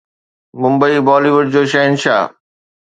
Mumbai Bollywood جو شهنشاهه